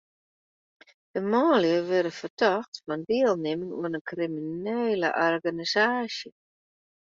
De manlju wurde fertocht fan dielnimming oan in kriminele organisaasje.